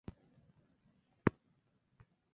Fueron once campañas.